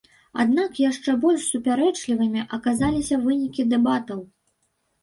Аднак яшчэ больш супярэчлівымі аказаліся вынікі дэбатаў.